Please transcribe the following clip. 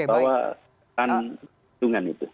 bawa tandungan itu